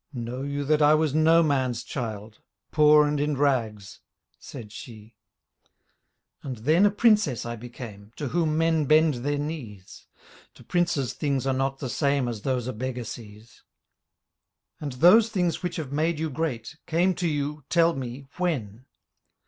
Know you that I was no man's child. Poor and in rags — said she. And then a Princess I became To whom men bend their knees; To princes things are not the same As those a beggar sees. And those things which have made you great Came to you, tell me, when?